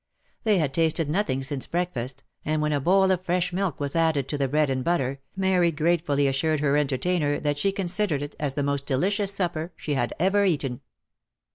They had tasted nothing since breakfast, and when a bowl of fresh milk was added to the bread and butter, Mary gratefully assured her entertainer that she considered it as the most delicious supper she had ever eaten.